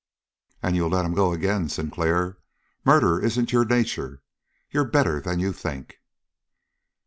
"And you'll let him go again. Sinclair, murder isn't in your nature. You're better than you think."